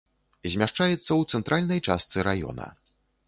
Змяшчаецца ў цэнтральнай частцы раёна.